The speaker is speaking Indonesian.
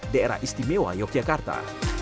daerah istimewa yogyakarta